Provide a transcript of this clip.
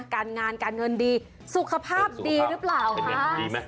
การงานการเงินดีสุขภาพดีหรือเปล่าคะดีไหม